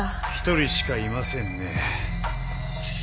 １人しかいませんね。